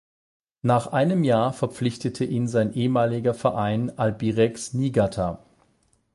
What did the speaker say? Nach einem Jahr verpflichtete ihn sein ehemaliger Verein Albirex Niigata.